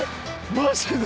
マジで？